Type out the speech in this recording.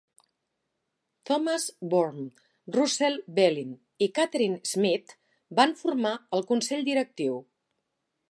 Thomas Vorm, Russell Bellin i Catherine Schmidt van formar el Consell Directiu.